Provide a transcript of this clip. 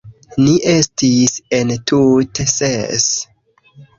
Ni estis entute ses.